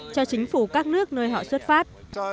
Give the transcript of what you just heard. cho chính phủ các nước nơi họ xuất phát